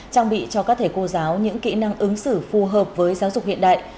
trang bị cho các thầy cô giáo những kỹ năng ứng xử phù hợp với giáo dục hiện đại